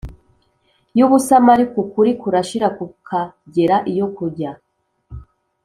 y'ubusamo, ariko ukuri kurashira kukagera iyo kujya.